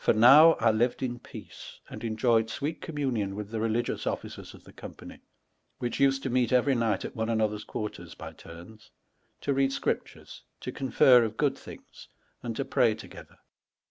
now 1 lived in peace, and enjoyed sweet communion with the rehgious officers of the company, which used to meet every night at one anothers' quarters, by tumes, to read Hcripturea, to confer of good things, and to pray together.